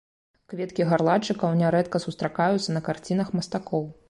Кветкі гарлачыкаў нярэдка сустракаюцца на карцінах мастакоў.